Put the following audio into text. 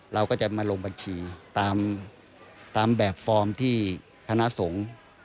เราก็จะมาลงบัญชีตามแบบฟอร์มที่คณะสงฆ์